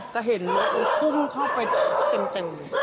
ก็เห็นมันปึ้งเข้าไปเก่ง